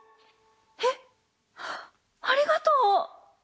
えっありがとう！